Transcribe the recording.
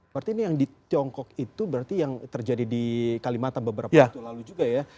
berarti ini yang di tiongkok itu berarti yang terjadi di kalimantan beberapa waktu lalu juga ya